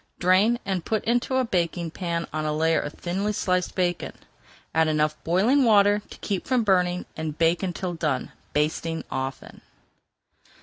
Drain and put into a baking pan on a layer of thinly sliced bacon. Add enough boiling water to keep from burning, and bake until done, basting often.